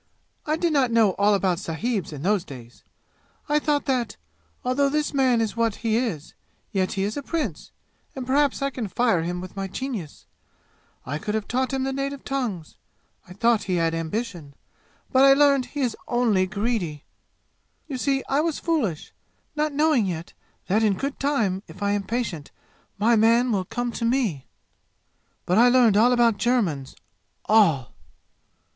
"I did not know all about sahibs in those days. I thought that, although this man is what he is, yet he is a prince, and perhaps I can fire him with my genius. I could have taught him the native tongues. I thought he had ambition, but I learned that he is only greedy. You see, I was foolish, not knowing yet that in good time if I am patient my man will come to me! But I learned all about Germans all!